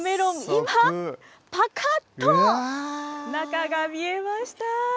今、ぱかっと中が見えました。